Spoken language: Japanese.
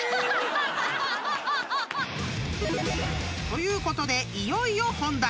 ［ということでいよいよ本題］